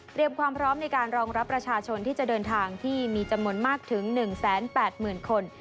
ความพร้อมในการรองรับประชาชนที่จะเดินทางที่มีจำนวนมากถึง๑๘๐๐๐คน